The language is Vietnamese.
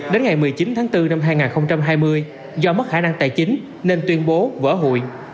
đến ngày một mươi chín tháng bốn năm hai nghìn hai mươi do mất khả năng tài chính nên tuyên bố vỡ hụi